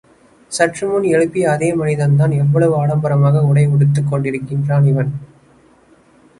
சற்று முன் எழுப்பிய அதே மனிதன்தான் எவ்வளவு ஆடம்பரமாக உடை உடுத்துக் கொண்டிருக்கிறான் இவன்?